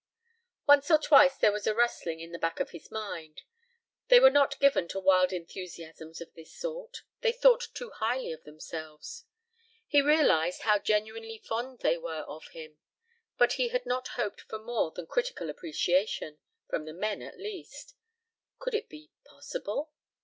Once or twice there was a rustling in the back of his mind. They were not given to wild enthusiasms of this sort. They thought too highly of themselves. He realized how genuinely fond they were of him, but he had not hoped for more than critical appreciation, from the men, at least. Could it be possible